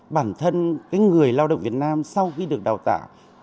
bản thân người lao động việt nam sau khi được đào tạo